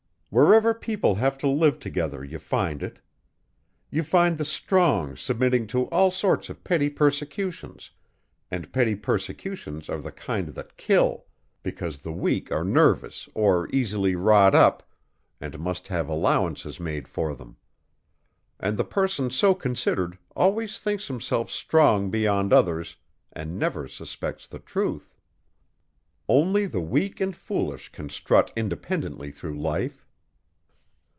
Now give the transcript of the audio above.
Wherever people have to live together you find it. You find the strong submitting to all sorts of petty persecutions, and petty persecutions are the kind that kill, because the weak are nervous or easily wrought up and must have allowances made for them. And the person so considered always thinks himself strong beyond others and never suspects the truth. Only the weak and foolish can strut independently through life."